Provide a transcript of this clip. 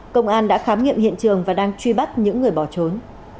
công an đã khám nghiệm hiện trường và đang truy bắt những người bỏ trốn